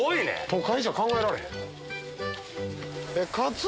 都会じゃ考えられへん。